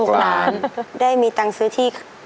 หลานได้มีตังค์ซื้อที่